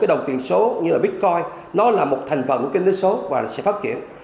đồng tiền số như là bitcoin nó là một thành phần kinh tế số và sẽ phát triển